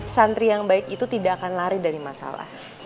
santri yang baik itu tidak akan lari dari masalah